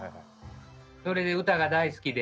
それで歌が大好きで。